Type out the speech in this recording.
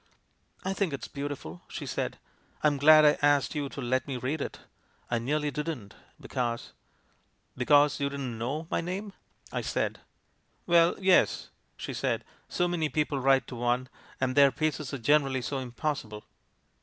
" 'I think it's beautiful,' she said. 'I'm glad I asked you to let me read it. I nearly didn't, because '" 'Because you didn't know my name?' I said. " 'Well, yes,' she said. 'So many people write to one, and their pieces are generally so impos sible.